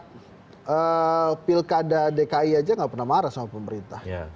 karena pilkada dki aja nggak pernah marah sama pemerintah